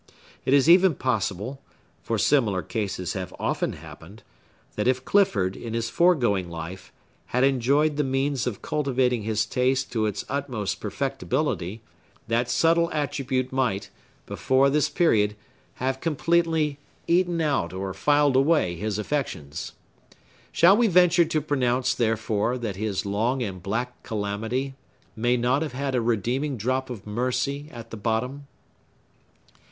It is even possible—for similar cases have often happened—that if Clifford, in his foregoing life, had enjoyed the means of cultivating his taste to its utmost perfectibility, that subtile attribute might, before this period, have completely eaten out or filed away his affections. Shall we venture to pronounce, therefore, that his long and black calamity may not have had a redeeming drop of mercy at the bottom?